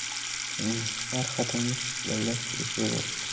که انحصار ختم نه شي، په دولت کې ریښې به وکړي.